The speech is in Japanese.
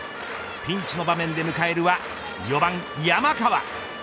ピンチの場面で迎えるは４番、山川。